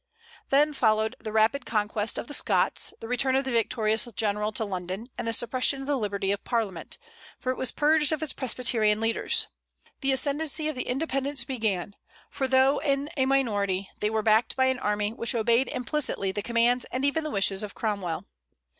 Then followed the rapid conquest of the Scots, the return of the victorious general to London, and the suppression of the liberty of Parliament, for it was purged of its Presbyterian leaders. The ascendency of the Independents began; for though in a minority, they were backed by an army which obeyed implicitly the commands and even the wishes of Cromwell.